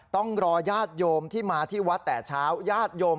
ต้องรอญาติโยมที่มาที่วัดแต่เช้าญาติโยม